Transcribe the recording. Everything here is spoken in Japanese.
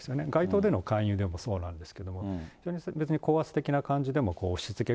該当での勧誘でもそうなんですけれども、別に高圧的な感じでも、押しつけ